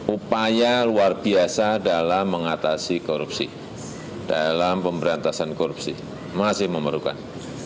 upaya luar biasa dalam mengatasi korupsi dalam pemberantasan korupsi masih memerlukan